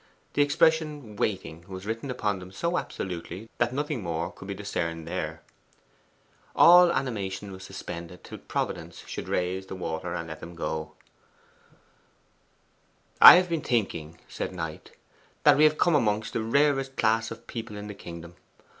The expression 'Waiting' was written upon them so absolutely that nothing more could be discerned there. All animation was suspended till Providence should raise the water and let them go. 'I have been thinking,' said Knight, 'that we have come amongst the rarest class of people in the kingdom.